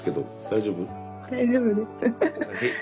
大丈夫です。